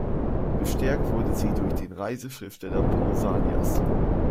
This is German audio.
Bestärkt wurde sie durch den Reiseschriftsteller Pausanias.